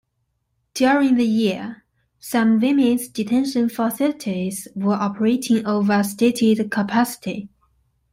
During the year, some women's detention facilities were operating over stated capacity.